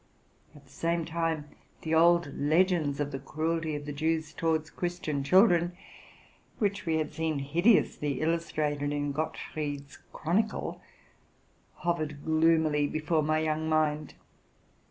At the same time, the old legends 'of. the eruelty of the Jews towards Christian children, which we shad seen hideously illustrated in '+ Gottfried's Chronicle,'' hovered gloomily before my young mind.